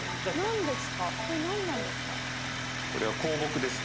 これなんなんですか？